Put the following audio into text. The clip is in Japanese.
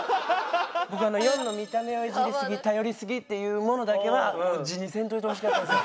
僕あの４の「見た目をイジりすぎ」「頼りすぎ」っていうものだけは字にせんといてほしかったですよ。